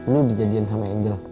lo dijadian sama angel